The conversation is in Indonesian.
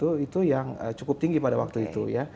itu yang cukup tinggi pada waktu itu ya